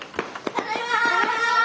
ただいま。